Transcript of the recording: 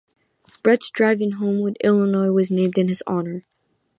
Bretz Drive in Homewood, Illinois was named in his honor.